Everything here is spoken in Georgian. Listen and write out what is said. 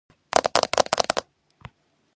არაბებთან ბრძოლაში დამარცხდა.